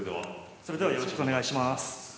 それではよろしくお願いします。